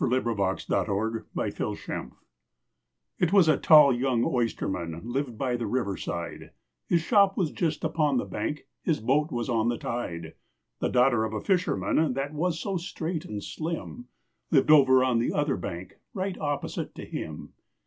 THE BALLAD OF THE OYSTERMAN IT was a tall young oysterman lived by the river side, His shop was just upon the bank, his boat was on the tide; The daughter of a fisherman, that was so straight and slim, Lived over on the other bank, right opposite to him.